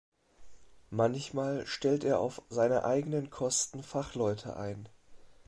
Manchmal stellt er auf seine eigenen Kosten Fachleute ein.